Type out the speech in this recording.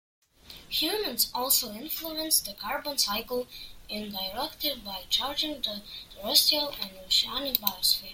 Humans also influence the carbon cycle indirectly by changing the terrestrial and oceanic biosphere.